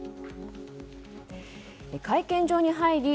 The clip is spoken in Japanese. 会見場に入り